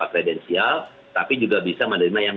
presidensial tapi juga bisa menerima yang